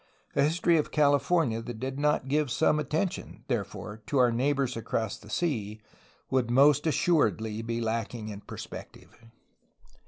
A history of California that did not give some attention, therefore, to our neighbors across the sea would most assuredly be lacking in perspective.